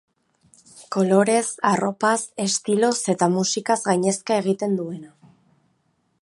Kolorez, arropaz, estiloz eta musikaz gainezka egiten duena.